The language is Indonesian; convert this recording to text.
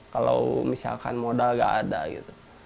kalau misalkan modal gak ada gitu